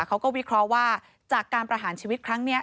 เขาก็วิเคราะห์ว่าจากการประหารชีวิตครั้งนี้